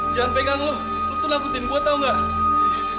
jangan pegang lo lo tuh nakutin gue tau gak